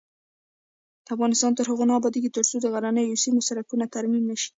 افغانستان تر هغو نه ابادیږي، ترڅو د غرنیو سیمو سړکونه ترمیم نشي.